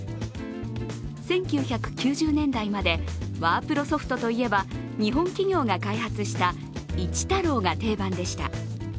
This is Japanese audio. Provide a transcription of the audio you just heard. １９９０年代までワープロソフトといえば日本企業が開発した一太郎が定番でした。